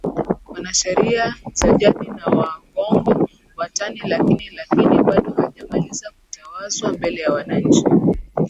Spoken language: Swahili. Wanasheria za jadi na Waghongo Watani lakini lakini bado hajamaliza kutawazwa mbele ya wananchi